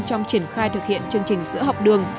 trong triển khai thực hiện chương trình sữa học đường